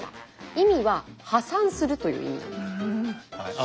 意味は「破産する」という意味なんです。